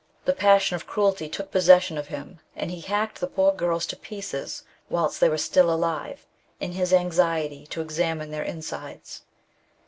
185 the passion of cruelty took possession of him, and he hacked the poor girls to pieces whilst they were still alive, in his anxiety to examine their insides.